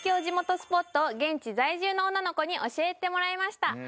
地元スポットを現地在住の女の子に教えてもらいました！